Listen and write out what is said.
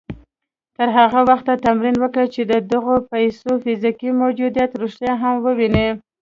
تر هغه وخته تمرين وکړئ چې د دغو پيسو فزيکي موجوديت رښتيا هم ووينئ.